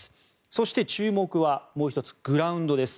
そして、注目はもう１つグラウンドです。